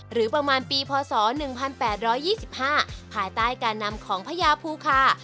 หรือประมาณปีพศ๑๘๒๕ภายใต้การนำของพญาภูคา